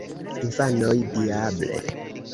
Infanoj: "Diable!"